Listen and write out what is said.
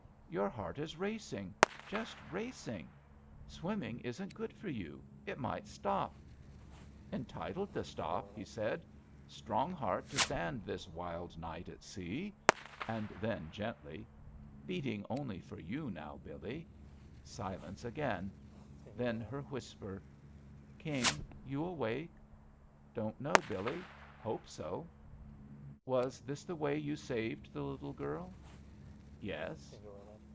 "Your heart is racing — ^just racing. Swim ming isn't good for you. It might stop I" "Entitled to stop," he said. "Strong heart to ^tand this wild night at sea." And then, gently, "Beating only for you now, BiUee." Silence again. Then hei whisper : "King, you awake?" "Don't know, BiUee. Hope so." "Was this the way you saved the little girl?" "Yes."